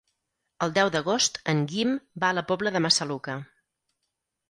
El deu d'agost en Guim va a la Pobla de Massaluca.